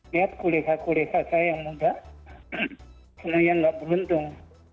lihat kulis kulis saya yang muda semuanya enggak beruntung